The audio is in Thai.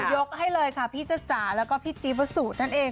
ยกให้เลยค่ะพี่จ้าจ๋าแล้วก็พี่จิ๊บวัสสุนั่นเอง